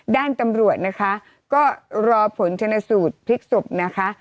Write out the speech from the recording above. ด้านตำรวจนะคะก็รอผลชนสูตรพลิกศพนะคะ